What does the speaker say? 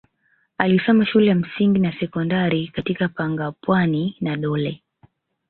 Alisoma shule ya msingi na sekondari katika Mangapwani na Dole